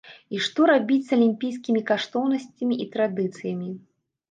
А што рабіць з алімпійскімі каштоўнасцямі і традыцыямі?